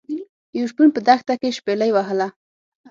یو شپون په دښته کې شپيلۍ وهله.